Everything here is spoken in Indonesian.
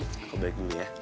ya udah aku balik dulu ya